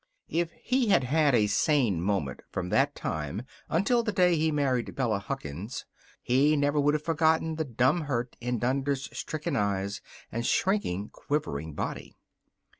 If he had had a sane moment from that time until the day he married Bella Huckins, he never would have forgotten the dumb hurt in Dunder's stricken eyes and shrinking, quivering body.